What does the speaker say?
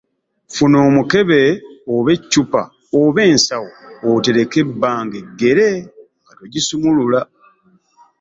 Funa omukebe oba eccupa oba ensawo, oterekere ebbanga eggere nga togisumulula